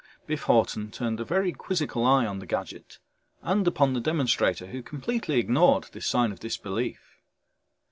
Biff Hawton turned a very quizzical eye on the gadget and upon the demonstrator who completely ignored this sign of disbelief.